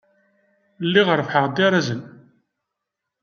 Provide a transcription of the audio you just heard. Lliɣ rebbḥeɣ-d arrazen.